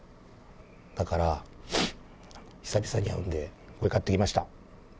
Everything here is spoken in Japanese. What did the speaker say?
だから、久々に会うんで、これ買ってきました。